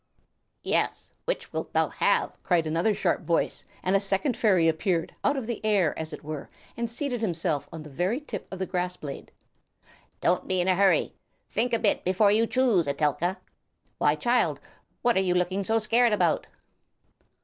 "Yes; which wilt thou have?" cried another sharp voice, and a second fairy appeared, out of the air as it were, and seated himself on the very tip of the grass blade. "Don't be in a hurry. Think a bit before you choose, Etelka. Why, child, what are you looking so scared about?"